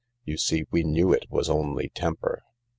You see, we knew it was only temper